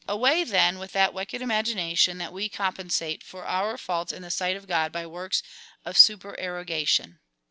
Away, then, with that wicked imagination,^ that we compensate for our faults in the sight of God by works of supererogation